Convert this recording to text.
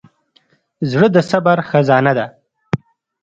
زړه د صبر خزانه ده.